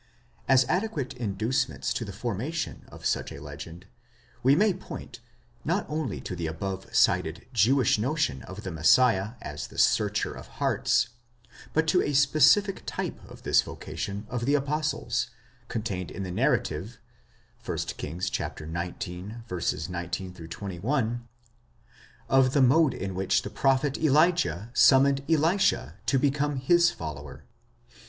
As adequate inducements to the formation of such a legend, we may point, _ not only to the above cited Jewish notion of the Messiah as the searcher of hearts, but to a specific type of this vocation of the apostles, contained in the narrative (1 Kings xix. 19 21) of the mode in which the prophet Elijah sum moned Elisha to become his follower.